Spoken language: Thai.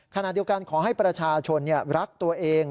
ขณะเดียวกันขอให้ประชาชนรักตัวเอง